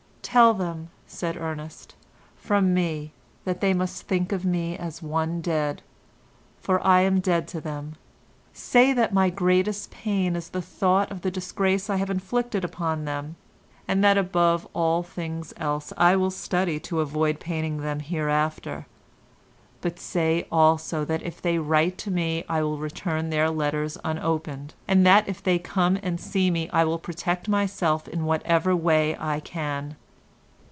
"Tell them," said Ernest, "from me that they must think of me as one dead, for I am dead to them. Say that my greatest pain is the thought of the disgrace I have inflicted upon them, and that above all things else I will study to avoid paining them hereafter; but say also that if they write to me I will return their letters unopened, and that if they come and see me I will protect myself in whatever way I can."